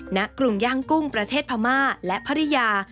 กรุงย่างกุ้งประเทศพม่าและภรรยา